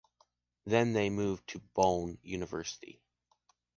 Then, they moved to Bonn University.